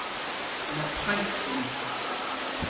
Yma paynt dhymm.